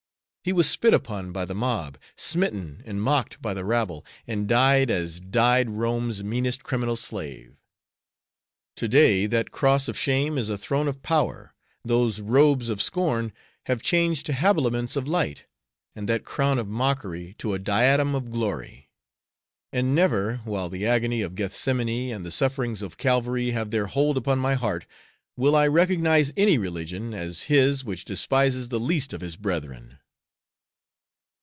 He was spit upon by the mob, smitten and mocked by the rabble, and died as died Rome's meanest criminal slave. To day that cross of shame is a throne of power. Those robes of scorn have changed to habiliments of light, and that crown of mockery to a diadem of glory. And never, while the agony of Gethsemane and the sufferings of Calvary have their hold upon my heart, will I recognize any religion as His which despises the least of His brethren."